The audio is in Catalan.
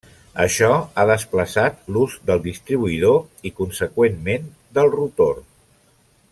Això ha desplaçat l'ús del distribuïdor i conseqüentment del rotor.